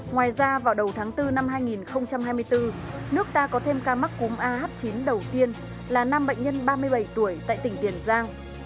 ngoài ra vào đầu tháng bốn năm hai nghìn hai mươi bốn nước ta có thêm ca mắc cúm ah chín đầu tiên là năm bệnh nhân ba mươi bảy tuổi tại tỉnh tiền giang